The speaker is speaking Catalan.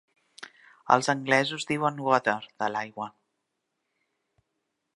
Els anglesos diuen "water" de l'aigua.